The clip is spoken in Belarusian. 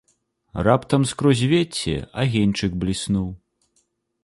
Раптам скрозь вецце агеньчык бліснуў.